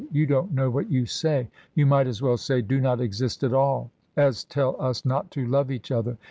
You don't know what you say. You might as well say, *Do not exist at all,' as tell us not to love each other.